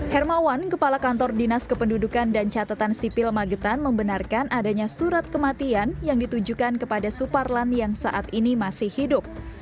hermawan kepala kantor dinas kependudukan dan catatan sipil magetan membenarkan adanya surat kematian yang ditujukan kepada suparlan yang saat ini masih hidup